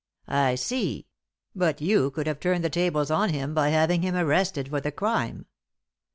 "I see; but you could have turned the tables on him by having him arrested for the crime."